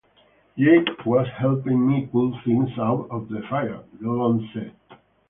"Jake was helping me pull things out of the fire" DeLong said.